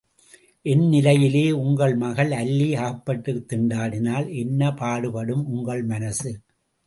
என் நிலையிலே உங்கள் மகள் அல்லி அகப்பட்டுத் திண்டாடினால் என்ன பாடுபடும் உங்கள் மனசு?